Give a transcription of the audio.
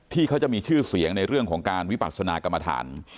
ที่เขาจะมีชื่อเสียงในเรื่องของการวิปัศนากรรมฐาน